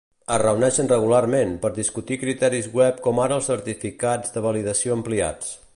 Es reuneixen regularment per discutir criteris web com ara els certificats de validació ampliats.